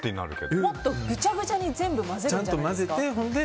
もっとぐちゃぐちゃに全部混ぜるんじゃないんですか。